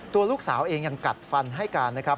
ตัวลูกสาวเองยังกัดฟันให้การนะครับ